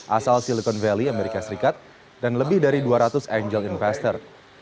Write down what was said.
asal silicon valley amerika serikat dan lebih dari dua ratus angel investor